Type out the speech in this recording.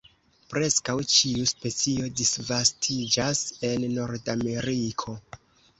Preskaŭ ĉiu specio disvastiĝas en Nordameriko.